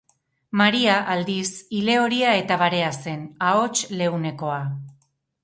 Maria, aldiz, ilehoria eta barea zen, ahots leunekoa.